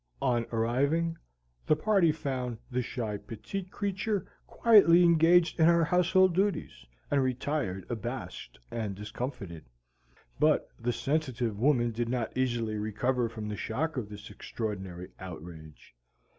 On arriving, the party found the shy, petite creature quietly engaged in her household duties, and retired abashed and discomfited. But the sensitive woman did not easily recover from the shock of this extraordinary outrage.